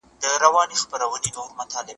توماس د ځان ورکېدنې احساس درلود.